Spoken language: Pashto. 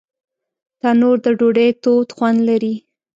تنور د ډوډۍ تود خوند لري